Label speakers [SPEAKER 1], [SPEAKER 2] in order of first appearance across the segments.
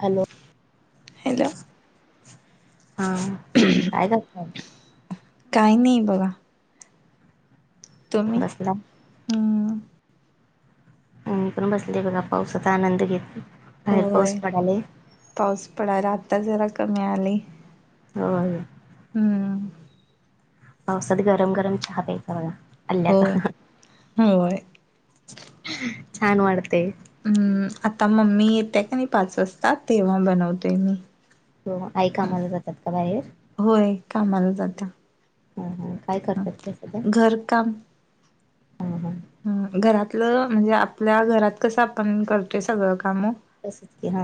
[SPEAKER 1] Hello.
[SPEAKER 2] Hello.
[SPEAKER 1] हां, काय करताय.
[SPEAKER 2] काही नाही, बघा. तुम्ही
[SPEAKER 1] बसला
[SPEAKER 2] हम्म.
[SPEAKER 1] अ मी पण बसले बघा पाऊसाचा आनंद घेत बाहेर
[SPEAKER 2] होय
[SPEAKER 1] पाऊस पडाले.
[SPEAKER 2] पाऊस पडायला आता जरा कमी आलय.
[SPEAKER 1] हाव का?
[SPEAKER 2] हम्.
[SPEAKER 1] पावसात गरम -गरम चहा प्यायचा,
[SPEAKER 2] होय
[SPEAKER 1] अल्ल्याचा.
[SPEAKER 2] होय
[SPEAKER 1] छान वाटते.
[SPEAKER 2] हम्म आता मम्मी येते का नाही पाच वाजता तेव्हा बनवतेय मी.
[SPEAKER 1] हो, आई कामाला जातात का बाहेर?
[SPEAKER 2] होय कामाला जात्या.
[SPEAKER 1] ह, हा काय करतात ते सध्या?
[SPEAKER 2] घर काम. अ घरातलं म्हणजे आपल्या घरात कसं आपण करतोय सगळं काम.
[SPEAKER 1] तसंच की हा.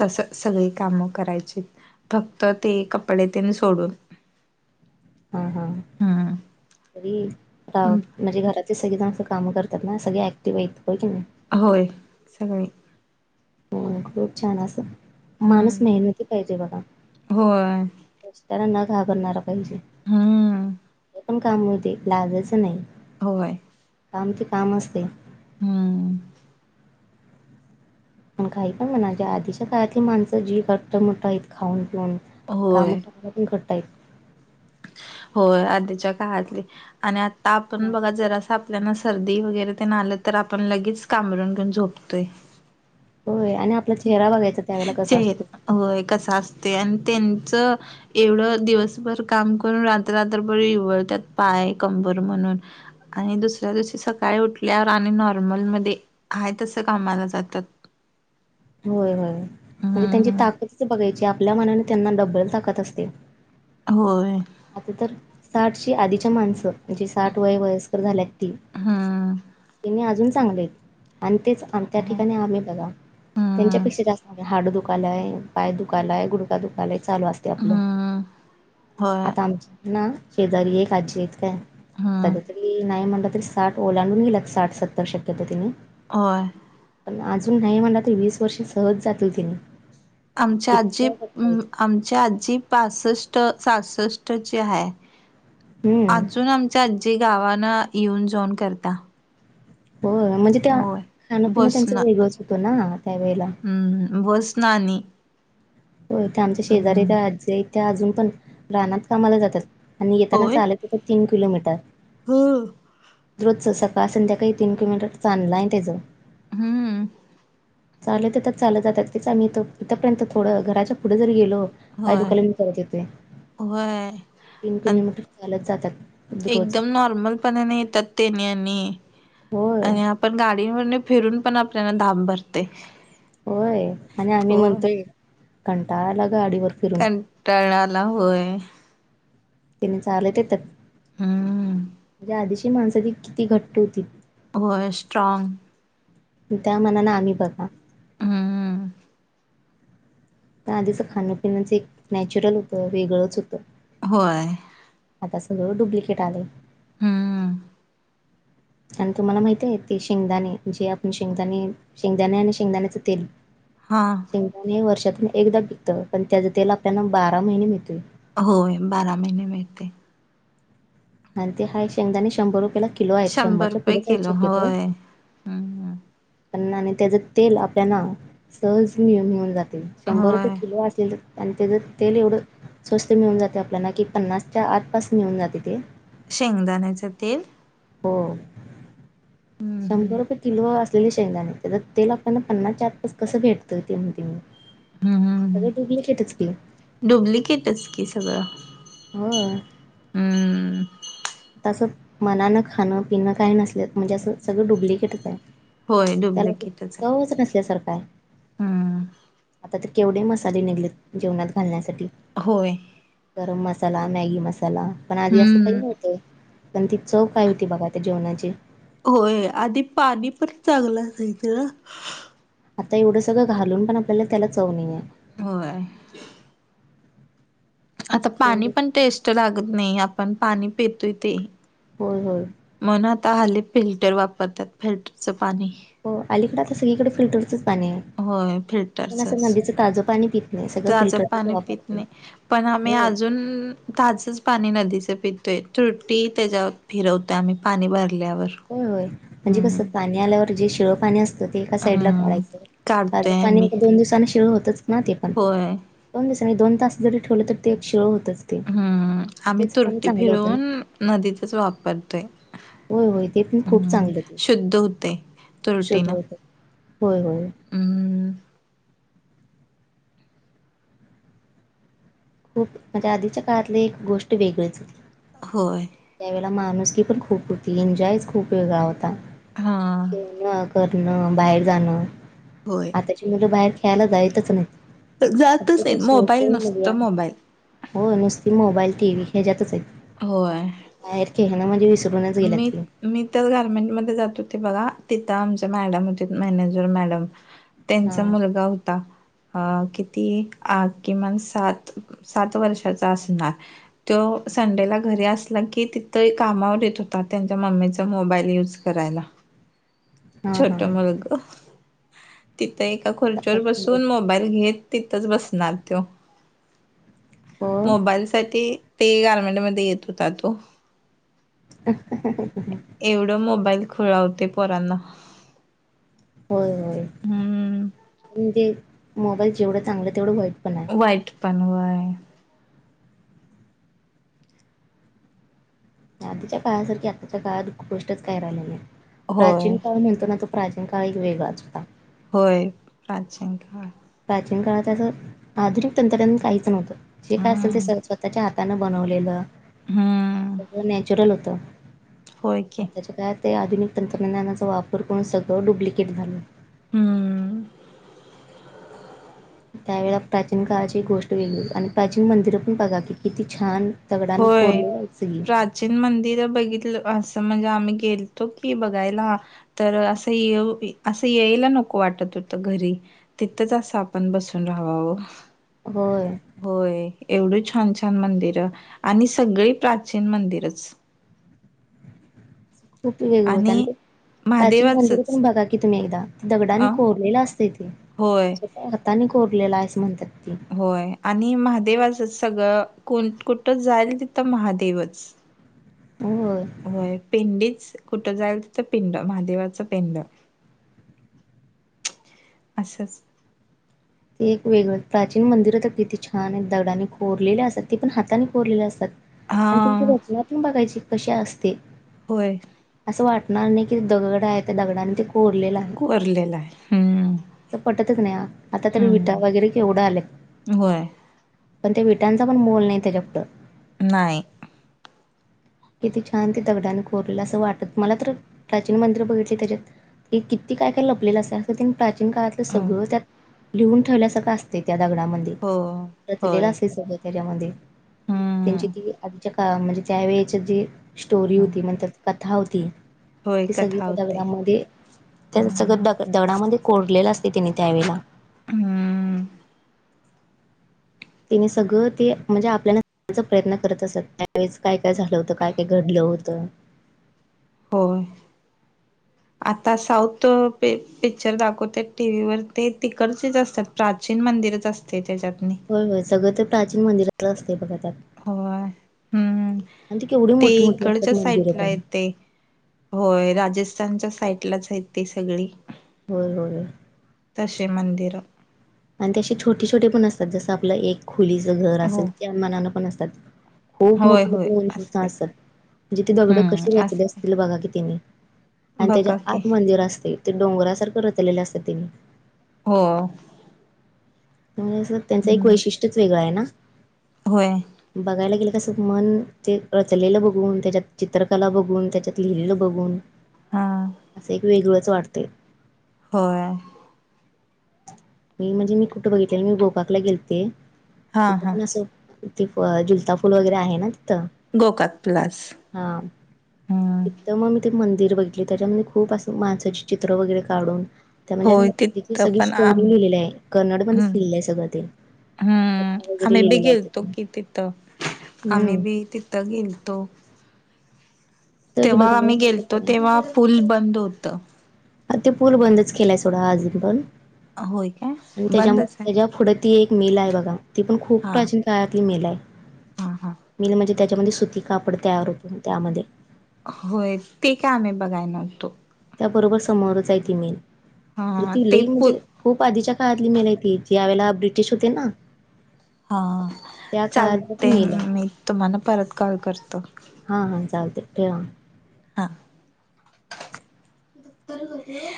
[SPEAKER 2] तस सगळी काम करायची फक्त ते कपडे तीन सोडून.
[SPEAKER 1] ह ह
[SPEAKER 2] हम्म
[SPEAKER 1] री ताव. म्हणजे घरातले सगळे जण असं काम करत्यात ना, सगळे ॲक्टिव्ह आहेत, हो की नाही?
[SPEAKER 2] होय, सगळे.
[SPEAKER 1] हो खूप छान अस माणूस
[SPEAKER 2] हम्म
[SPEAKER 1] मेहनती पाहिजे बघा.
[SPEAKER 2] होय
[SPEAKER 1] रस्त्याला न घाबरणारा पाहिजे.
[SPEAKER 2] हम्म.
[SPEAKER 1] काय पण काम होऊ दे, लाजायचं नाही.
[SPEAKER 2] होय.
[SPEAKER 1] काम ते काम असते.
[SPEAKER 2] हम्म.
[SPEAKER 1] पण काही पण म्हणा जे आधीच्या काळातली माणसं जी घट्ट मोट आहेत खाऊन पिऊन.
[SPEAKER 2] होय.
[SPEAKER 1] [unintelligible]
[SPEAKER 2] होय, आधीच्या काळातली आणि आता
[SPEAKER 1] हा.
[SPEAKER 2] आपण बघा जरास आपल्याना सर्दी वगैरे ते न आलं तर आपण लगेच, कांबरून घेऊन झोपतोय.
[SPEAKER 1] होय, आणि आपला चेहरा बघायचा त्यावेळेला कसा
[SPEAKER 2] चेह
[SPEAKER 1] असतो!
[SPEAKER 2] होय, कस असते आणि त्यांचं? एवढं दिवसभर काम करून रात्र-रात्रभर इवळत्यात पाय, कंबर म्हणून आणि दुसऱ्या दिवशी सकाळी उठल्यावर आणि नॉर्मलमध्ये, हाय तस कामाला जात्यात.
[SPEAKER 1] होय होय. म्हणजे त्यांची
[SPEAKER 2] हम्म.
[SPEAKER 1] ताकदच बघायची, आपल्या मनाने त्यांना डब्बल ताकद असते.
[SPEAKER 2] होय.
[SPEAKER 1] आता तर साठच्या आधीचे माणसं. जे साठ वय-वयस्कर झाल्यात ती,
[SPEAKER 2] हम्म.
[SPEAKER 1] त्यांनी अजून चांगलेत आणि तेच अन त्या
[SPEAKER 2] हो.
[SPEAKER 1] ठिकाणी आम्ही बघा.
[SPEAKER 2] हम्म.
[SPEAKER 1] त्यांच्यापेक्षा जास्त हाड दुखायला, पाय दुखायला, गुडगा दुखायला चालू असत. ते आपलं,
[SPEAKER 2] हम्म. होय.
[SPEAKER 1] आता आमच्या ना शेजारी एक आज्जी येत काय
[SPEAKER 2] हम्म
[SPEAKER 1] सध्या तरी नाही म्हटलं तरी साठ ओलांडून गेलात, साठ सत्तर शक्यतो तिने.
[SPEAKER 2] आय.
[SPEAKER 1] पण अजून नाही म्हणला तर, वीस वर्षे सहज जातील तिनी.
[SPEAKER 2] आमच्या आज्जी म प आमच्या आज्जी पासष्ट-सासष्टची हाय,
[SPEAKER 1] हम्म
[SPEAKER 2] अजून आम च्या आज्जी गावाना येऊन-जाऊन करता.
[SPEAKER 1] हो म्हणजे त्या,
[SPEAKER 2] होय
[SPEAKER 1] खाणपिन त्यांच
[SPEAKER 2] बसन
[SPEAKER 1] वेगळच होत ना त्यावेेळेला.
[SPEAKER 2] नानी.
[SPEAKER 1] हो ते आमच्या शेजारी त्या आज्जी आहे, त्या अजून पण रानात कामाला जातात आणि येताना
[SPEAKER 2] होय
[SPEAKER 1] चालत येतात तीन किलोमीटर.
[SPEAKER 2] हो
[SPEAKER 1] रोजच सकाळ-संध्याकाळी तीन किलोमीटर चांलन हाय त्याचं.
[SPEAKER 2] हम्म.
[SPEAKER 1] चालत येतात, चालत जातात तेच आम्ही इथ, इथपर्यंत थोडं घराच्या पुढे जरी गेलो. पाय
[SPEAKER 2] होय
[SPEAKER 1] दुःखायले कीं परत येतोय.
[SPEAKER 2] होय.
[SPEAKER 1] तीन
[SPEAKER 2] आणि
[SPEAKER 1] किलोमीटर चालत जातात, रोज.
[SPEAKER 2] मल पणाने येतात ते नेहमी
[SPEAKER 1] होय
[SPEAKER 2] आणि आप पण गाडीवर फिरून पण आपल्याला धाप भरते.
[SPEAKER 1] होय आणि आम्ही
[SPEAKER 2] हो
[SPEAKER 1] म्हणतोय, कंटाळा आला गाडीवर. फिरून
[SPEAKER 2] कटाळा ला होय.
[SPEAKER 1] तिने चालत येत,
[SPEAKER 2] हम्म
[SPEAKER 1] ति आधीची माणस किती घट्ट होती.
[SPEAKER 2] होय स्ट्रॉग.
[SPEAKER 1] त्या मानान आम्ही बघा.
[SPEAKER 2] हम्म
[SPEAKER 1] त्या आधीच खाणपिण्याच एक नॅचरल होतं, वेगळंच होतं.
[SPEAKER 2] होय.
[SPEAKER 1] आता सगळ डुप्लिकेट आलय.
[SPEAKER 2] हम्.
[SPEAKER 1] आणि तुम्हाला माहतीये ते शेंगदाणे, जे आपण शेंगदाणे, शेंगदाणे यना शेंगदाण्याचे तेल.
[SPEAKER 2] हा.
[SPEAKER 1] शेंगदाणे वर्षातून एकदाच पिकतं, पण त्याच तेल आपल्याना बारा महिने मिळतोय.
[SPEAKER 2] होय बारा महिने मिळतय.
[SPEAKER 1] आणि ते हाय शेंगदाने शंभर रुपया ला
[SPEAKER 2] शंभर रुपये किलो होय, ह्म ह्म.
[SPEAKER 1] पनना आणि त्याच तेल आपल्याना, सहज मि-मिळुन जातय, शंभर रुपये
[SPEAKER 2] होय
[SPEAKER 1] किलो असेल तर आन त्याचं तेल एवढं स्वस्त मिळून जात आपल्याला, की पन्नासच्या आसपास मिळून जात ते.
[SPEAKER 2] शेंगदाण्याचं तेल?
[SPEAKER 1] हो.
[SPEAKER 2] हम्म
[SPEAKER 1] शंभर
[SPEAKER 2] हम्म
[SPEAKER 1] रुपये किलो असलेले शेंगदाने, तेझ तेल आपल्याला पन्नासच्या आत कसं भेटतं? ते म्हणतोय मी सगळं
[SPEAKER 2] हम्म
[SPEAKER 1] डुप्लिकेटच की
[SPEAKER 2] डुप्लिकेटच की सगळं.
[SPEAKER 1] होय.
[SPEAKER 2] हम्म
[SPEAKER 1] आ असं मनानं खाणं पिणं काही नसल, म्हणजे असं सगळं डुप्लिकेटच आहे.
[SPEAKER 2] होय
[SPEAKER 1] त्याला चवच नसल्यासारखा हाय.
[SPEAKER 2] हम!
[SPEAKER 1] आता ते केवढे मसाले निघालेत जेवणात घालण्यासाठी.
[SPEAKER 2] होय.
[SPEAKER 1] गरम मसाला, मॅगी मसाला, पण आधी असं खही
[SPEAKER 2] हम्म
[SPEAKER 1] नवत पण ती चव काय होती बघा त्या जेवणाची
[SPEAKER 2] होय, आधी पाणी पण चांगलं असायचं
[SPEAKER 1] आता एवढं सगळं घालून पण आपल्याला त्याला चव नई हाय.
[SPEAKER 2] होय. आता पाणी
[SPEAKER 1] एवढे
[SPEAKER 2] पण टेस्ट लागत नाही, आपण पाणी पेतोय तेे.
[SPEAKER 1] होय होय.
[SPEAKER 2] म्हणून आता हली फिल्टर वापरतात, फिल्टरचं पाणी
[SPEAKER 1] हो, अलीकडं आता सगळीकडे फिल्टरच पाणी आहे.
[SPEAKER 2] होय
[SPEAKER 1] कोण असं
[SPEAKER 2] फिल्टरचच
[SPEAKER 1] नदीचं ताजं पाणी पित नाही, सगळं
[SPEAKER 2] ताजं
[SPEAKER 1] फिल्टरच
[SPEAKER 2] पाणी पित
[SPEAKER 1] वापरतात.
[SPEAKER 2] नाही पण आम्ही अजून ताजच पाणी नदीच पितोय, त्रुटी त्याच्यावर फिरवतो आम्ही पाणी भरल्यावर.
[SPEAKER 1] होय होय, म्हणजे कसं
[SPEAKER 2] हम्म
[SPEAKER 1] पाणी आल्यावर जे शिळं पाणी असतं ते एका साईडला
[SPEAKER 2] हम्म
[SPEAKER 1] काढायच, ताज
[SPEAKER 2] काढतोय
[SPEAKER 1] पाणी
[SPEAKER 2] आम्ही
[SPEAKER 1] दोन दिवसांना शीळ होतच ना ते पण
[SPEAKER 2] होय
[SPEAKER 1] दोन दिवस नाही, दोन तास जरी ठेवलं तर ते एक शिळ होतच. ते
[SPEAKER 2] हम्म! आम्ही
[SPEAKER 1] तेच पाणी
[SPEAKER 2] तुरटी
[SPEAKER 1] चांगलं होतं ना
[SPEAKER 2] फिरवून नदीचच वापरतोय.
[SPEAKER 1] होय होय ते पण खूप
[SPEAKER 2] हम्म!
[SPEAKER 1] चांगलं ते
[SPEAKER 2] शुद्ध होतय तुरटी
[SPEAKER 1] शुद्ध
[SPEAKER 2] न.
[SPEAKER 1] होतं होय होय.
[SPEAKER 2] हम्म्!
[SPEAKER 1] खूप, म्हणजे आधीच्या काळातली एक गोष्ट वेगळीच होती.
[SPEAKER 2] होय.
[SPEAKER 1] त्यावेळेला माणुसकी पण खूप होती, एन्जॉयच खूप वेगळा होता.
[SPEAKER 2] हा.
[SPEAKER 1] खेळणं, करणं, बाहेर जाणं.
[SPEAKER 2] होय.
[SPEAKER 1] आताची मुलं बाहेर खेळायला जातच नाहीत. फक्त
[SPEAKER 2] जातच नाहीत, मोबाईल, नुसत मोबाईल.
[SPEAKER 1] होय, नुसती मोबाईल, टी व्ही, हे्याच्यातच हायीत.
[SPEAKER 2] होय.
[SPEAKER 1] बाहेर खेळाण म्हणजे वी
[SPEAKER 2] मी मी तर गार्मेंटमध्येध्ये जात होते बघा, तिथं आमचे मॅडम होतीत, मॅनेजर मॅडम.
[SPEAKER 1] हा
[SPEAKER 2] त्यांचा मुलगा होता अ किती, किमान, सात सात वर्षाचा असणार. तो संडेला घरी असला कि, तिथं कामावर येत होत ता, त्यांच्या मम्मीचा मोबाईल युज करायला.
[SPEAKER 1] हा हा
[SPEAKER 2] छोट मुलग, तिथं एका खुर्च्यीवर
[SPEAKER 1] आताची मुलं
[SPEAKER 2] बसून मो बाईल घेत तिथच बसणार तो
[SPEAKER 1] हो
[SPEAKER 2] मोबाईल साठी ते गारमेंटमध्ये येत होता तो
[SPEAKER 1] [unintelligible]
[SPEAKER 2] एवढं मोबाईल खुळ लावतय पोरांना
[SPEAKER 1] होय, होय
[SPEAKER 2] हम्म
[SPEAKER 1] म्हणजे मोबाईल जेवढं चांगलं तेवढं वाईट पण आय
[SPEAKER 2] वाईट पण वय
[SPEAKER 1] आधीच्या काळासारखी आत्ताच्या काळात गोष्टच काय राहिली नाही
[SPEAKER 2] होय
[SPEAKER 1] प्राचीन काळ म्हणतो ना तो प्राचीन काळ एक वेगळाच होता
[SPEAKER 2] होय प्राचीन काळ
[SPEAKER 1] प्राचीन काळात असं आधुनिक तंत्रज्ञान काहीच नव्हतं, जे काय असेल ते
[SPEAKER 2] हम्म
[SPEAKER 1] स स्वतःच्या हातानं बनवलेलं
[SPEAKER 2] हम्म
[SPEAKER 1] सगळं नॅचरल होतं
[SPEAKER 2] होयकी
[SPEAKER 1] त्याच्या काळात ते आधुनिक तंत्रज्ञानाचा वापर करून सगळं डुप्लिकेट झालं
[SPEAKER 2] हम्म
[SPEAKER 1] त्यावेळेला प्राचीन काळाची गोष्ट वेगळी होती आणि प्राचीन मंदिरं पण बघा की किती छान दगडानं
[SPEAKER 2] होय
[SPEAKER 1] कोरलेली आहेत सगळी.
[SPEAKER 2] प्रा चिन मंदिर बघितलं असं म्हणजे आम्ही गेलतो की बघायला तर असं येव असं यायला नको वाटत होतं घरी तिथंच असं आपण बसून राहावावं
[SPEAKER 1] होय
[SPEAKER 2] होय एवढी छान, छान मंदिर आणि सगळी प्राचीन मंदिरच
[SPEAKER 1] खूप वेगळ होतं आणि ते प्राचीन मंदिर
[SPEAKER 2] महादेवाचच
[SPEAKER 1] पण बघा कि तुम्ही एकदा दगडानी
[SPEAKER 2] अ
[SPEAKER 1] कोरलेल असतय ते
[SPEAKER 2] होय
[SPEAKER 1] हाताने कोरलेला आहे आसं म्हणतात ते
[SPEAKER 2] होय आणि महादेवाचं सगळं कोण कुठं जाईल तिथं महादेवच
[SPEAKER 1] होय
[SPEAKER 2] होय पिंडीच कुठं जाईल तिथं पिंड महादेवाचं पिंड असच
[SPEAKER 1] ते एक वेगळं प्राचीन मंदिर कि तर किती छान आहे, दगडाने कोरलेले असतात ते पण हाताने कोरलेले असतात आणि तंची
[SPEAKER 2] हा
[SPEAKER 1] रचना पण बघायची कशी असते
[SPEAKER 2] होय
[SPEAKER 1] असं वाटणार नाही कि दगडा आहे त्या दगडाने ते कोरलेला
[SPEAKER 2] कोरलेला आहे हम्म
[SPEAKER 1] पटतच नाही आता तरी विटा
[SPEAKER 2] हम्म
[SPEAKER 1] वगैरे केवढं आलय
[SPEAKER 2] होय
[SPEAKER 1] पण त्या विटांचा पण मोल नाही त्याच्यापुढ
[SPEAKER 2] नाही
[SPEAKER 1] किती छान ते दगडाने कोरलं असं वाटत मला तर प्राचीन मंदिर बघितले त्याच्यात क किती काय, काय लपलेला असं तेन प्राचीन काळातलं
[SPEAKER 2] हो
[SPEAKER 1] सगळं त्यात लिहून ठेवल्यासारखं असते त्या दगडामध्ये
[SPEAKER 2] हो
[SPEAKER 1] रचलेलं
[SPEAKER 2] होय
[SPEAKER 1] असे सगळ त्याच्यामध्ये त्यांची
[SPEAKER 2] हम्म
[SPEAKER 1] ती आजच्या अ म्हणजे त्यावेेळेच्या जी स्टोरी होती म्हणतात कथा होत
[SPEAKER 2] होय
[SPEAKER 1] ती सगळी
[SPEAKER 2] कथा
[SPEAKER 1] त्या
[SPEAKER 2] होते
[SPEAKER 1] दगडामध्ये त्या सगळं दग दगडामध्ये कोरलेलं असते त्याने त्यावेेळेला
[SPEAKER 2] हम्म
[SPEAKER 1] त्याने सगळं ते म्हणजे आपल्याला प्रयत्न करत असत. त्यावेळेस काय काय झालं होतं? काय काय घडलं होतं?
[SPEAKER 2] हो.
[SPEAKER 1] [inaudible]
[SPEAKER 2] आता साऊथ प पिक्चर दाखवत टी व्ही वर ते तिकडचेच असतात प्राचीन मंदिरच असते त्याच्यात
[SPEAKER 1] हो होय सगळ तर प्राचीन मंदिराच असते बघा. त्यात
[SPEAKER 2] होय. हम्म
[SPEAKER 1] आणि ती केवढी
[SPEAKER 2] ते
[SPEAKER 1] मोठी मोठी असतात
[SPEAKER 2] इकडच्या
[SPEAKER 1] मंदिरं
[SPEAKER 2] साईडला
[SPEAKER 1] पण
[SPEAKER 2] येते. होय. राजस्थानच्या साईटलाच आहेत ते सगळी.
[SPEAKER 1] हो हो.
[SPEAKER 2] तसे मंदिरं
[SPEAKER 1] आणि ते असे छोटे छोटे पण असतात. जसं आपलं एक खोलीचं घर
[SPEAKER 2] हो
[SPEAKER 1] असेल. त्या मानानं पण असतात. खूप
[SPEAKER 2] होय
[SPEAKER 1] मोठे
[SPEAKER 2] होय
[SPEAKER 1] मोठ्या उंचीचं
[SPEAKER 2] असते
[SPEAKER 1] असत म्हणजे ती दगड कसे
[SPEAKER 2] हम्म
[SPEAKER 1] रचले
[SPEAKER 2] असते
[SPEAKER 1] असतील बघा कि तेनी. आणि त्याचे
[SPEAKER 2] बघा की
[SPEAKER 1] आत मंदिर असते. ते डोंगरासारखं रचलेलं असतं त्यानी.
[SPEAKER 2] हो.
[SPEAKER 1] म्हणजे अस त्यांच एक
[SPEAKER 2] हम्म
[SPEAKER 1] वैशिष्ट्यच वेगळं आहे ना.
[SPEAKER 2] होय.
[SPEAKER 1] बघायला गेलं की कसं मन ते रचलेलं बघून त्याच्यात चित्रकला बघून त्याच्यात लिहिलेलं बघून
[SPEAKER 2] हा
[SPEAKER 1] असं एक वेगळंच वाटते.
[SPEAKER 2] होय.
[SPEAKER 1] मी म्हणजे मी कुठं बघितले. मी भोपाकला गेलते.
[SPEAKER 2] हा
[SPEAKER 1] तिथे
[SPEAKER 2] हा
[SPEAKER 1] पण असं ति जुलता फुल वगैरे आहे ना तिथं.
[SPEAKER 2] गोकाक प्लास
[SPEAKER 1] हा
[SPEAKER 2] ह.
[SPEAKER 1] तिथं मग मी ते मंदिर बघितले. त्याच्यामध्ये खूप असं माणसाचे चित्र वगैरे काढून त्या म्हणजे आता
[SPEAKER 2] होय
[SPEAKER 1] आधीची
[SPEAKER 2] तिथं
[SPEAKER 1] सगळी
[SPEAKER 2] पण आम
[SPEAKER 1] स्टोरी लिहिलेली आहे. कर्नडमध्येध्येच
[SPEAKER 2] हम्म
[SPEAKER 1] लिहिलेलं आहे सगळं ते.
[SPEAKER 2] हम्म.
[SPEAKER 1] कथा वगैरे
[SPEAKER 2] आम्ही बी
[SPEAKER 1] लिहिलेल्या आहेत
[SPEAKER 2] गेलतो
[SPEAKER 1] तिथं.
[SPEAKER 2] कि तिथं. आम्ही
[SPEAKER 1] हम्म
[SPEAKER 2] बी तिथं गेलतो.
[SPEAKER 1] तो एक
[SPEAKER 2] तेव्हा आम्ही गेलतो
[SPEAKER 1] बघण्यासारखंच आहे
[SPEAKER 2] तेव्हा पूल बंद होत.
[SPEAKER 1] ह ते पूल बंदच केलाय सोडा अजून पण.
[SPEAKER 2] होय काय
[SPEAKER 1] आणि त्याच्यामुळे
[SPEAKER 2] बंदच आहे
[SPEAKER 1] त्याच्या पुढे ती एक मिला आहे बघा. ती पण खूप
[SPEAKER 2] हा
[SPEAKER 1] प्रा काळातली मिल आहे.
[SPEAKER 2] हा हा
[SPEAKER 1] मिल म्हणजे त्याच्यामध्ये सुती कापड तयार होतो त्यामध्ये
[SPEAKER 2] होय. ते काय आम्ही बघाय नव्हतो.
[SPEAKER 1] त्या बरोबर समोरच आहे तेनी.
[SPEAKER 2] हा
[SPEAKER 1] ती
[SPEAKER 2] ते
[SPEAKER 1] लई
[SPEAKER 2] पु
[SPEAKER 1] म्हणजे खूप आधीच्या काळातली मिल आहे ती. ज्यावेळेला ब्रिटिश होते ना.
[SPEAKER 2] हा.
[SPEAKER 1] त्या काळातली
[SPEAKER 2] चालते
[SPEAKER 1] ती मिल आहे
[SPEAKER 2] मी तुम्हाला परत कॉल करतो.
[SPEAKER 1] हा हा चालते ठेवा.
[SPEAKER 2] हा. [unintelligible]